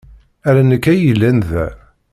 Ala nekk ay yellan da.